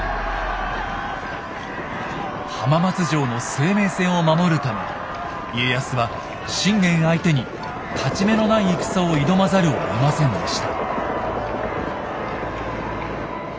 浜松城の生命線を守るため家康は信玄相手に勝ち目のない戦を挑まざるをえませんでした。